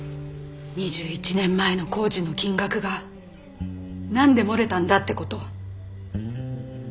２１年前の工事の金額が何で漏れたんだってこと。